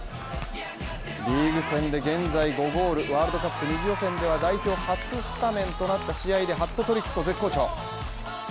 リーグ戦で現在５ゴールワールドカップ２次予選では代表初スタメンとなった試合でハットトリックと絶好調。